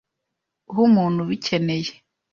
Uhe umuntu ubikeneye.